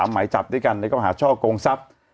หมายจับด้วยกันในข้อหาช่อกงทรัพย์